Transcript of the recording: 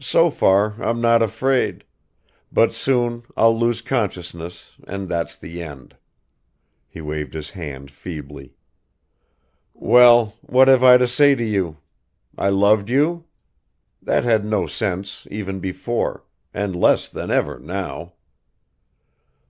So far I'm not afraid ... but soon I'll lose consciousness and that's the end!" (He waved his hand feebly.) "Well, what have I to say to you ... I loved you? That had no sense even before, and less than ever now.